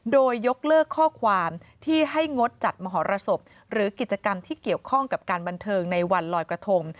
โดยยกเลิกข้อความที่ให้งดจัดมหรสบหรือกิจกรรมที่เกี่ยวข้องกับการบันเทิงในวันลอยกระทง